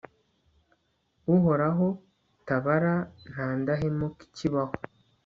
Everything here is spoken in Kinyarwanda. uhoraho, tabara! nta ndahemuka ikibaho